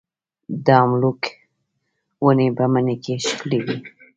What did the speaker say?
د املوک ونې په مني کې ښکلې وي.